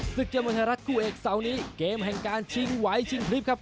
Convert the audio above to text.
ศึกยอดมวยไทยรัฐคู่เอกเสาร์นี้เกมแห่งการชิงไหวชิงคลิปครับ